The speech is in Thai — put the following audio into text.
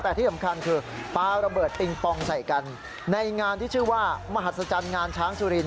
แต่ที่สำคัญคือปลาระเบิดปิงปองใส่กันในงานที่ชื่อว่ามหัศจรรย์งานช้างสุรินท